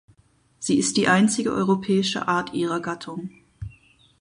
Sie ist die einzige europäische Art ihrer Gattung.